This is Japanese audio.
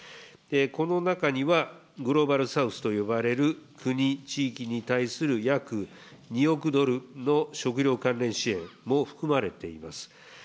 この中には、グローバルサウスと呼ばれる国、地域に対する約２億ドルの食料関連支援も含まれています。